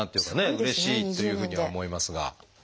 うれしいっていうふうには思いますが。